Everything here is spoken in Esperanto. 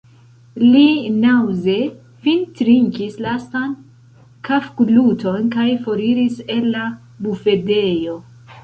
Li naŭze fintrinkis lastan kafgluton kaj foriris el la bufedejo.